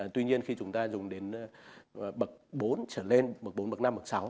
tuy nhiên khi chúng ta dùng đến bậc bốn trở lên bậc bốn bậc năm bậc sáu